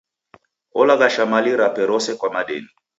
Olaghasha mali rape rose kwa madeni.